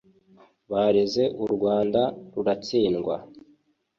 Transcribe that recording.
bareze u Rwanda ruratsindwa